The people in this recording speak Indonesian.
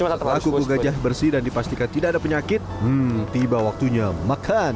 setelah kuku gajah bersih dan dipastikan tidak ada penyakit hmm tiba waktunya makan